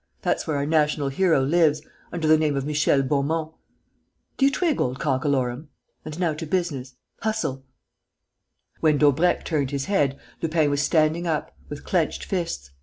That's where our national hero lives, under the name of Michel Beaumont.... Do you twig, old cockalorum? And now to business. Hustle!" When Daubrecq turned his head, Lupin was standing up, with clenched fists.